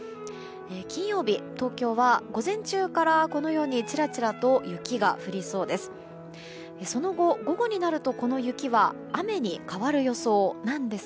金曜日、東京は午前中からこのようにちらちらと雪が降りそうです。